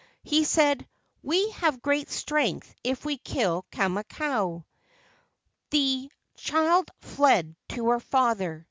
He said, "We have great strength if we kill Kamakau." The child fled to her father.